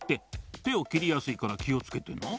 てをきりやすいからきをつけてな。